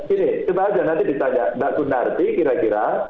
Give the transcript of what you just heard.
ini coba saja nanti ditanya pak tnm kira kira